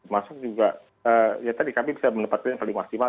masuk juga ya tadi kami bisa menempatkan yang paling maksimal